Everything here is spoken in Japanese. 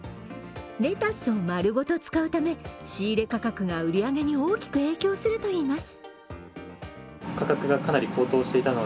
レタスを丸ごと使うため、仕入れ価格が売り上げに大きく影響するといいます。